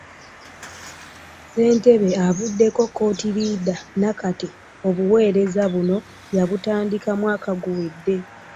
Ssentebe avuddeko Cotirida Nakate obuweereza buno yabutandika mwaka guwedde